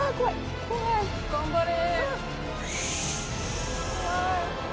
頑張れ！